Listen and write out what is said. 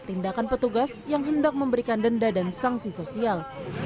tindakan petugas yang hendak memberikan denda dan sanksi sosial